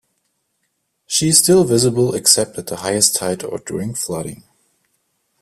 She is still visible except at the highest tide or during flooding.